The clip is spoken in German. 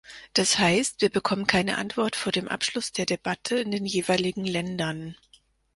Das heißt, wir bekommen keine Antwort vor dem Abschluss der Debatte in den jeweiligen Ländern.